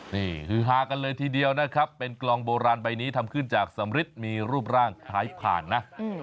นี่ฮือฮากันเลยทีเดียวนะครับเป็นกลองโบราณใบนี้ทำขึ้นจากสำริดมีรูปร่างคล้ายผ่านนะ